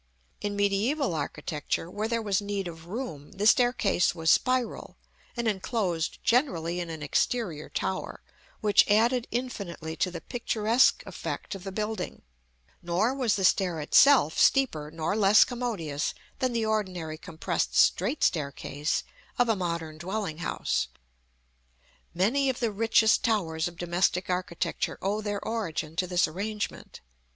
In mediæval architecture, where there was need of room, the staircase was spiral, and enclosed generally in an exterior tower, which added infinitely to the picturesque effect of the building; nor was the stair itself steeper nor less commodious than the ordinary compressed straight staircase of a modern dwelling house. Many of the richest towers of domestic architecture owe their origin to this arrangement.